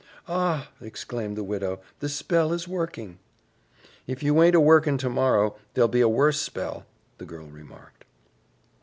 "Ah h!" exclaimed the widow, "the spell is working." "If you aint a workin' tomorrow, there'll be a worse spell," the girl remarked.